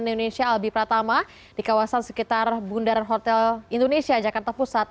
indonesia albi pratama di kawasan sekitar bundaran hotel indonesia jakarta pusat